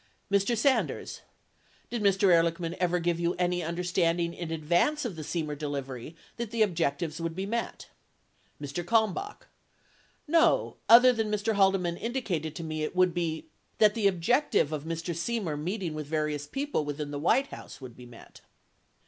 Mr. Sanders. Did Mr. Ehrlichman ever give you any under standing in advance of the Semer delivery that the objectives would be met? Mr. Kalmbach. No, other than Mr. Haldeman indicated to me it would be — that the objective of Mr. Semer meeting with various people within the White House would be met.